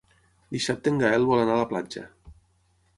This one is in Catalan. Dissabte en Gaël vol anar a la platja.